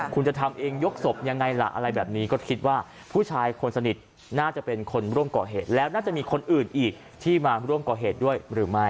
คุณจะทำเองยกศพยังไงล่ะอะไรแบบนี้ก็คิดว่าผู้ชายคนสนิทน่าจะเป็นคนร่วมก่อเหตุแล้วน่าจะมีคนอื่นอีกที่มาร่วมก่อเหตุด้วยหรือไม่